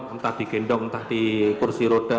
entah di gendong entah di kursi roda